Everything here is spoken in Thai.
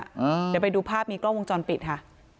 เดี๋ยวไปดูภาพมีกล้องวงจรปิดค่ะ